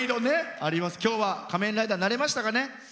今日は仮面ライダーになりましたかね。